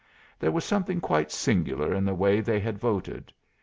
There was something quite singular in the way they had voted.